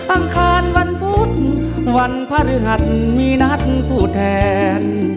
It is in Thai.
อังคารวันพุธวันพระฤหัสมีนัดผู้แทน